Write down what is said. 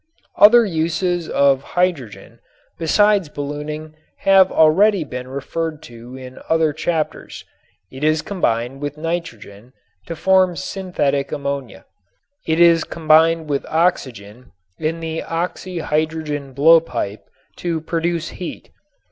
Other uses of hydrogen besides ballooning have already been referred to in other chapters. It is combined with nitrogen to form synthetic ammonia. It is combined with oxygen in the oxy hydrogen blowpipe to produce heat.